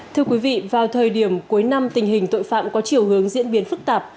thưa quý vị vào thời điểm cuối năm tình hình tội phạm có chiều hướng diễn biến phức tạp